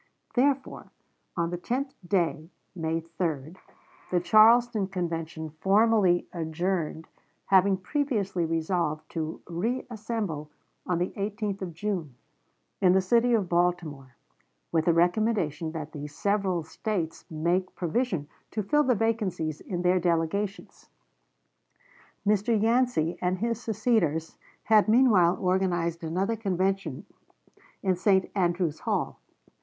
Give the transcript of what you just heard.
Therefore, on the tenth day (May 3), the Charleston Convention formally adjourned, having previously resolved to reassemble on the 18th of June, in the city of Baltimore, with a recommendation that the several States make provision to fill the vacancies in their delegations. Mr. Yancey and his seceders had meanwhile organized another convention in St. Andrew's Hall.